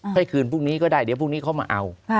ให้คืนพรุ่งนี้ก็ได้เดี๋ยวพรุ่งนี้เขามาเอา